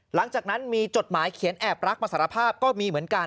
หลังจากนั้นมีจดหมายเขียนแอบรักมาสารภาพก็มีเหมือนกัน